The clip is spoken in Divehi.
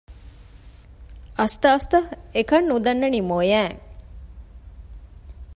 އަސްތަ އަސްތާ އެކަން ނުދަންނަނީ މޮޔައިން